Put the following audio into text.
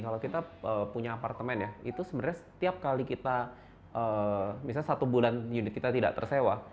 kalau kita punya apartemen ya itu sebenarnya setiap kali kita misalnya satu bulan unit kita tidak tersewa